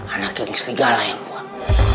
anak yang serigala yang kuat